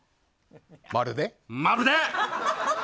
まるで！